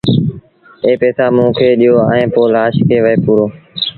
اي پئيٚسآ موݩ کي ڏيو ائيٚݩ پو لآش کي وهي پورو